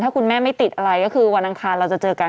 ถ้าคุณแม่ไม่ติดอะไรก็คือวันอังคารเราจะเจอกัน